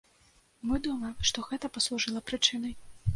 Мы думаем, што гэта паслужыла прычынай.